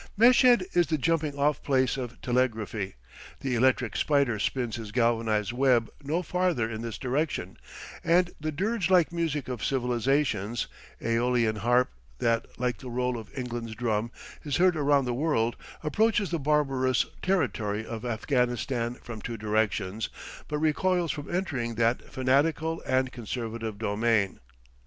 Meshed is "the jumping off place" of telegraphy; the electric spider spins his galvanized web no farther in this direction, and the dirge like music of civilization's AEolian harp, that, like the roll of England's drum, is heard around the world, approaches the barbarous territory of Afghanistan from two directions, but recoils from entering that fanatical and conservative domain.